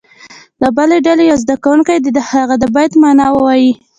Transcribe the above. د بلې ډلې یو زده کوونکی دې د هغه بیت معنا ووایي.